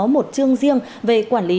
một chương riêng về quản lý